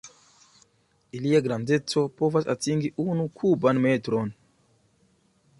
Ilia grandeco povas atingi unu kuban metron.